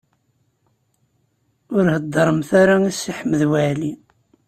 Ur heddṛemt ara i Si Ḥmed Waɛli.